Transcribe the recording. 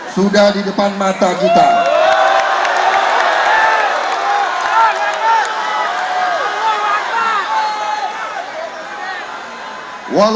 sudah di depan mata kita